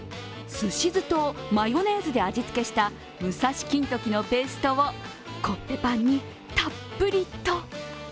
すし酢とマヨネーズで味付けしたむさし金時のペーストをコッペパンにたっぷりと。